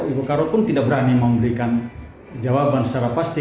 ibu karo pun tidak berani memberikan jawaban secara pasti